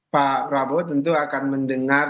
pak prabowo tentu akan mendengar